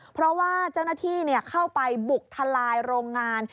เพราะว่าเจ้าหน้าที่เข้าไปบุกทลายโรงงาน